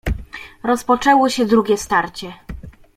"Rozpoczęło się drugie starcie."